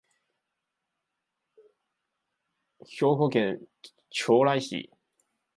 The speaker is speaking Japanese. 兵庫県朝来市